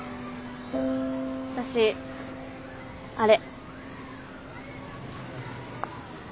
私あれ。